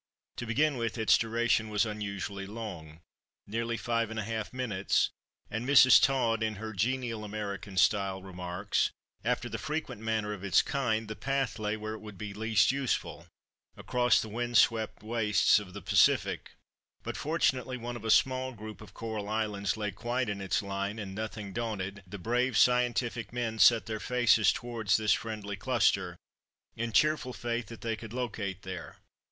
To begin with its duration was unusually long—nearly 5½ minutes, and Mrs. Todd in her genial American style remarks:—"After the frequent manner of its kind, the path lay where it would be least useful—across the wind swept wastes of the Pacific. But fortunately one of a small group of coral islands lay quite in its line, and, nothing daunted, the brave scientific men set their faces toward this friendly cluster, in cheerful faith that they could locate there.